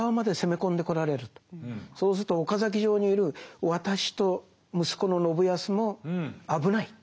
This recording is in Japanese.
そうすると岡崎城にいる私と息子の信康も危ない。